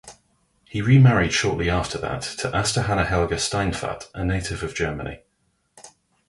He remarried shortly after that to Asta Hanna Helga Steinfatt, a native of Germany.